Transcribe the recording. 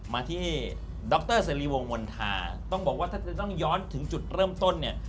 มาที่ดรเสรีวงมณฑาต้องบอกว่าถ้าจะต้องย้อนถึงจุดเริ่มต้นเนี่ย